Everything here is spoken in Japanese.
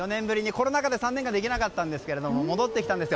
コロナ禍で３年間できなかったんですが戻ってきたんです。